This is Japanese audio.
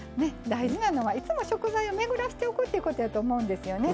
大事なのはいつも食材を巡らせておくということやと思うんですよね。